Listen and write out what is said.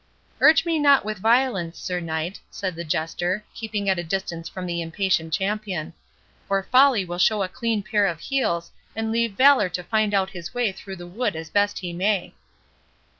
"Urge me not with violence, Sir Knight," said the Jester, keeping at a distance from the impatient champion, "or Folly will show a clean pair of heels, and leave Valour to find out his way through the wood as best he may."